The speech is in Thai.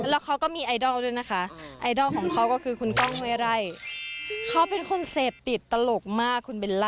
แล้วเขาก็มีไอดอลด้วยนะคะไอดอลของเขาก็คือคุณก้องเว้ไร่เขาเป็นคนเสพติดตลกมากคุณเบลล่า